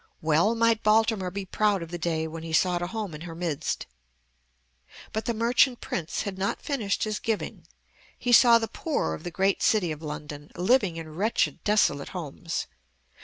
Well might Baltimore be proud of the day when he sought a home in her midst. But the merchant prince had not finished his giving. He saw the poor of the great city of London, living in wretched, desolate homes.